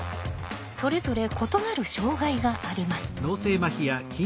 それぞれ異なる障害があります。